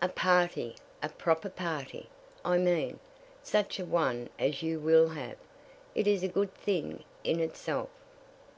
"A party a proper party, I mean, such a one as you will have is a good thing in itself.